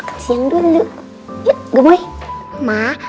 kaimana pomer bisa saja besserman